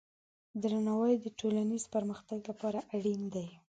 درناوی د ټولنیز پرمختګ لپاره اړین دی.